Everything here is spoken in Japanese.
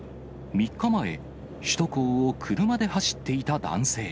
３日前、首都高を車で走っていた男性。